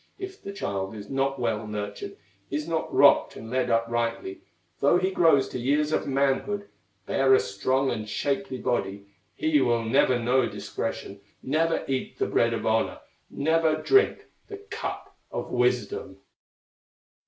If the child is not well nurtured, Is not rocked and led uprightly, Though he grow to years of manhood, Bear a strong and shapely body, He will never know discretion, Never eat the bread of honor, Never drink the cup of wisdom."